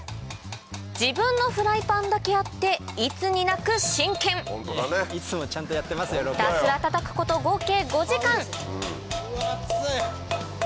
自分のフライパンだけあっていつになく真剣ひたすらたたくこと合計５時間うわっ熱っつい！